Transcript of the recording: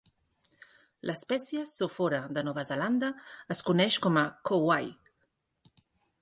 L'espècie "Sophora" de Nova Zelanda es coneix com a "Kowhai".